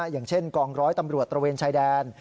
อย่างเช่นกองร้อยตำรวจตระเวนชายแดน